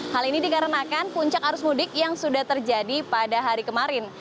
hal ini dikarenakan puncak arus mudik yang sudah terjadi pada hari kemarin